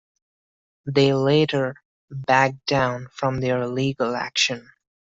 They later backed down from their legal action.